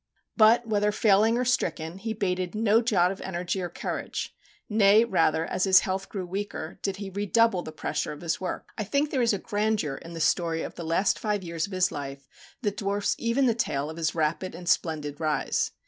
But whether failing or stricken, he bated no jot of energy or courage; nay, rather, as his health grew weaker, did he redouble the pressure of his work. I think there is a grandeur in the story of the last five years of his life, that dwarfs even the tale of his rapid and splendid rise.